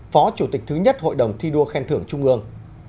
phó chủ tịch thứ nhất hội đồng thi đua khen thưởng trung ương